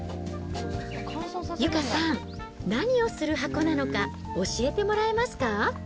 由佳さん、何をする箱なのか、教えてもらえますか？